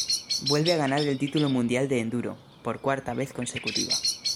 Vuelve a ganar el título mundial de enduro, por cuarta vez consecutiva.